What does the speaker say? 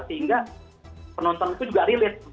sehingga penonton itu juga relate